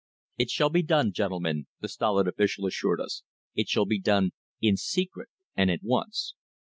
"It shall be done, gentlemen," the stolid official assured us. "It shall be done in secret and at once."